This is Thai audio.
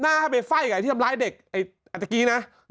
ให้ไปไฟ่กับไอ้ที่ทำร้ายเด็กไอ้ตะกี้นะ